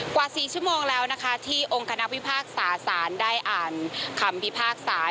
กว่า๔ชั่วโมงแล้วนะคะที่องค์คณะพิพากษาสารได้อ่านคำพิพากษา